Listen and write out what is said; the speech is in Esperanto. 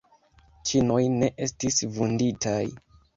Ĉinoj ne estis vunditaj.